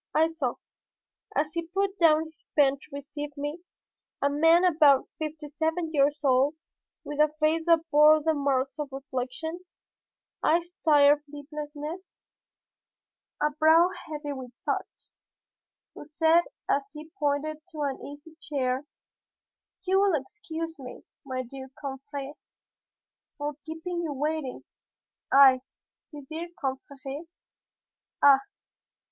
I saw, as he put down his pen to receive me, a man about fifty seven years old, with a face that bore the marks of reflection, eyes tired from sleeplessness, a brow heavy with thought, who said as he pointed to an easy chair, "You will excuse me, my dear confrère, for keeping you waiting." I, his dear confrère! Ah!